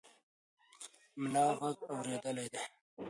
ملا غږ اورېدلی دی.